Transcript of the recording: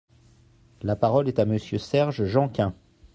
La parole est à Monsieur Serge Janquin.